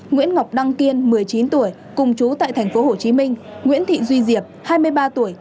nguyễn ngọc đăng kiên một mươi chín tuổi cùng chú tại thành phố hồ chí minh nguyễn thị duy diệp hai mươi ba tuổi